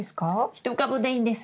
１株でいいんです。